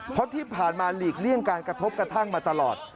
เพราะที่ผ่านมาหลีกเลี่ยงการกระทบกระทั่งมาตลอด